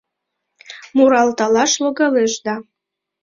Муралталаш логалеш да